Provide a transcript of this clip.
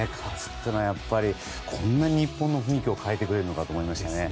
こんなに日本の雰囲気を変えてくれるのかと思いました。